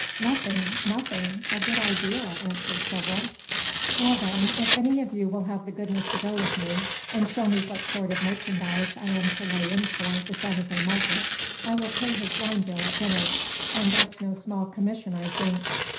"Nothing; nothing! A good idea," answered several. "Well, then, if any of you will have the goodness to go with me, and show me what sort of merchandise I am to lay in for the Santa Fe market, I will pay his wine bill at dinner, and that's no small commission, I think."